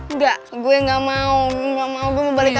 enggak gue gak mau gue mau balik aja